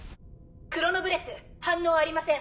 クロノブレス反応ありません。